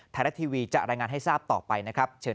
ไทยรัฐทีวีจะรายงานให้ทราบต่อไปนะครับเชิญ